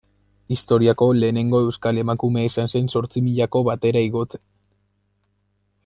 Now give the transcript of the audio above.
Historiako lehenengo euskal emakumea izan zen zortzimilako batera igotzen.